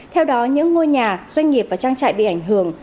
theo đó những ngôi nhà doanh nghiệp và trang trại bị ảnh hưởng